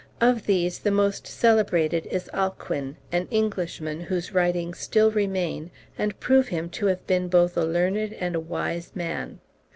Of these the most celebrated is Alcuin, an Englishman, whose writings still remain, and prove him to have been both a learned and a wise man.